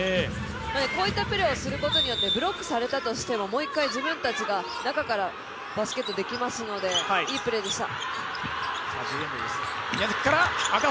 こういったプレーをすることによってブロックされたとしてももう一回自分たちが中からバスケットできますので、いいプレーでした。